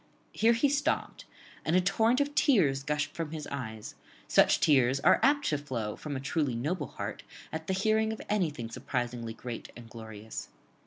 Here he stopt, and a torrent of tears gushed from his eyes; such tears are apt to flow from a truly noble heart at the hearing of anything surprisingly great and glorious.